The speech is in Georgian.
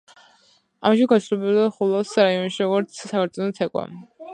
ამჟამად გავრცელებულია ხულოს რაიონში, როგორც საქორწინო ცეკვა.